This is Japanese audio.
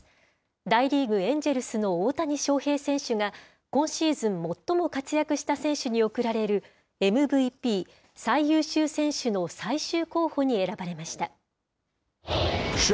大リーグ・エンジェルスの大谷翔平選手が、今シーズン最も活躍した選手に贈られる、ＭＶＰ・最優秀選手の最終候補に選ばれました。